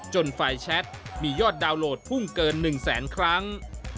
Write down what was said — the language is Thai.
ไฟแชทมียอดดาวน์โหลดพุ่งเกิน๑แสนครั้ง